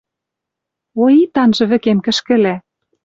О, ит анжы вӹкем кӹшкӹлӓ